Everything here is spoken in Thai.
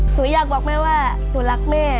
หนูอยากบอกแม่ว่าหนูรักแม่